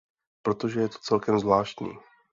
Protože je to celkem zvláštní.